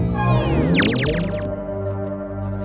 nah itu bentuknya